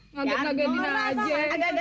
nggak ada yang ngepotin gue aja